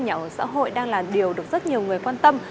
nhà ở xã hội đang là điều được rất nhiều người quan tâm